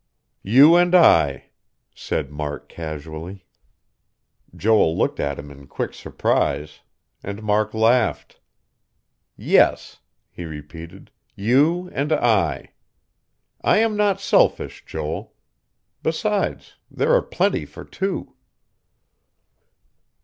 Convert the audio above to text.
"You and I," said Mark casually. Joel looked at him in quick surprise; and Mark laughed. "Yes," he repeated. "You and I. I am not selfish, Joel. Besides there are plenty for two."